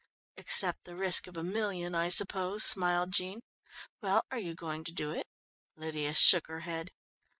"Except the risk of a million, I suppose," smiled Jean. "Well, are you going to do it?" Lydia shook her head.